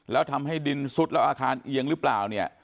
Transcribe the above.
แล้วทำให้ดินซุดแล้วอาคารเอียงหรือเปล่าเนี่ย